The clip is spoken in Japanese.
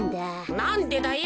なんでだよ。